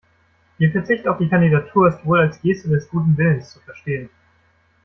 Ihr Verzicht auf die Kandidatur ist wohl als Geste des guten Willens zu verstehen.